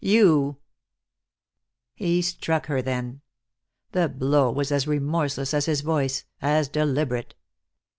You " He struck her then. The blow was as remorseless as his voice, as deliberate.